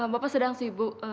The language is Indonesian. bapak sedang sibuk